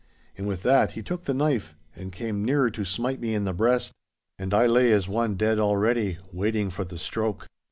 And with that he took the knife and came nearer to smite me in the breast, and I lay as one dead already, waiting for the stroke.